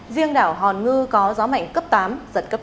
riêng đảo hòn ngư có gió mạnh cấp tám giật cấp tám